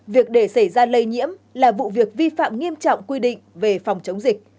việc để xảy ra lây nhiễm là vụ việc vi phạm nghiêm trọng quy định về phòng chống dịch